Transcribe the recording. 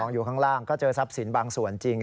อยู่ข้างล่างก็เจอทรัพย์สินบางส่วนจริง